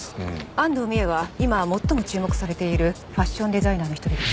安藤美絵は今最も注目されているファッションデザイナーの一人です。